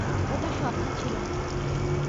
ওটা স্বপ্ন ছিল না।